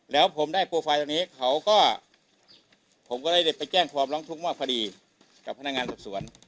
แล้วผมได้โปรไฟล์ตรงนี้เขาก็ผมก็ได้ไปแจ้งความร้องทุกข์ว่าพอดีกับพนักงานสอบสวน